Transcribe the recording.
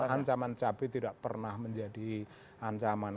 ancaman cabai tidak pernah menjadi ancaman